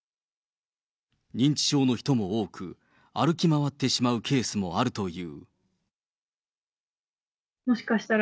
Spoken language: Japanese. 認知症の人も多く、歩き回ってしまうケースもあるという。